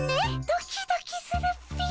ドキドキするっピィ。